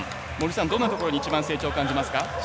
どんなところに一番、成長を感じますか？